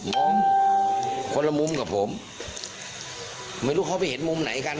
คนละมุมกับผมไม่รู้เขาไปเห็นมุมไหนกัน